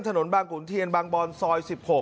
บางขุนเทียนบางบอนซอย๑๖